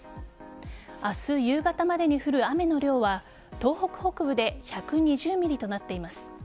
明日夕方までに降る雨の量は東北北部で１２０ｍｍとなっています。